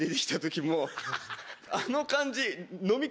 あの感じ。